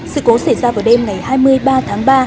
sự cố xảy ra vào đêm ngày hai mươi ba tháng ba